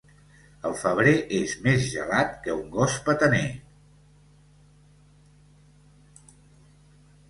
El febrer és més gelat que un gos petaner.